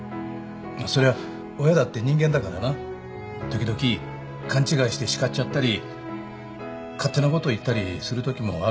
そりゃ親だって人間だからな時々勘違いしてしかっちゃったり勝手なこと言ったりするときもあるんだ。